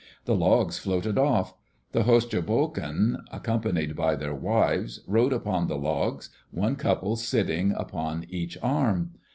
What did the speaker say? The logs floated off. The Hostjobokon, accompanied by their wives, rode upon the logs, one couple sitting upon each arm.